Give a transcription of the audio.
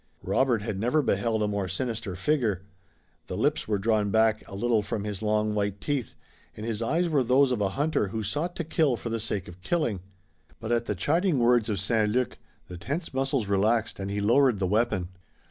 Robert had never beheld a more sinister figure. The lips were drawn back a little from his long white teeth and his eyes were those of a hunter who sought to kill for the sake of killing. But at the chiding words of St. Luc the tense muscles relaxed and he lowered the weapon.